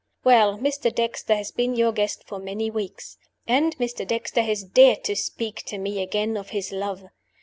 "Well, Mr. Dexter has been your guest for many weeks; and Mr. Dexter has dared to speak to me again of his love.